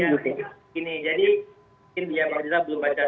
jadi ini ya pak riza belum baca